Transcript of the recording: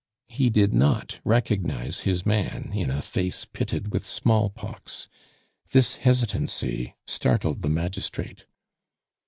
He did not recognize his man in a face pitted with smallpox. This hesitancy startled the magistrate.